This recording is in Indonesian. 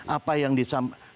apa yang disampaikan